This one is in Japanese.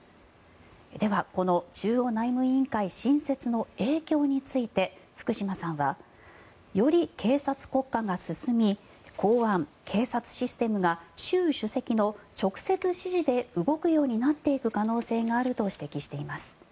では、この中央内務委員会新設の影響について福島さんはより警察国家が進み公安・警察システムが習主席の直接指示で動くようになっていく可能性があると指摘しています。